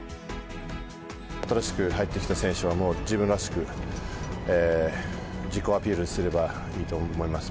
新しく入ってきた選手は、もう、自分らしく自己アピールすればいいと思います。